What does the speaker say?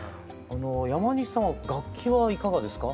山西さんは楽器はいかがですか？